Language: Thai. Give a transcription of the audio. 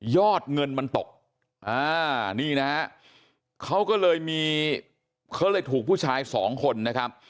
ยอดเงินมันตกนี่นะฮะเขาก็เลยมีเขาเลยถูกผู้ชายสองคนนะครับ